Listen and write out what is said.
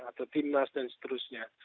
atau timnas dan seterusnya